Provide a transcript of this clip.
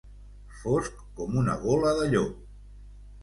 Fosc com una gola de llop.